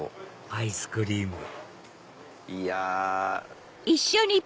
アイスクリームいや。